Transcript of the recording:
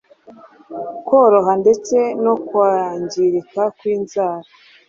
Koroha ndetse no kwangirika kw’inzara.